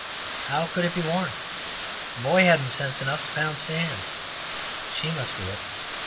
How could it be warned. The boy hadn't sense enough to pound sand. She must do it.